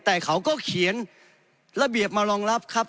แต่เขาก็เขียนระเบียบมารองรับครับ